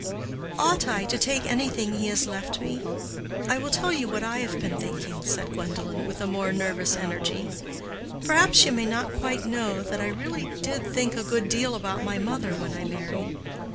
"Ought I to take anything he has left me? I will tell you what I have been thinking," said Gwendolen, with a more nervous eagerness. "Perhaps you may not quite know that I really did think a good deal about my mother when I married.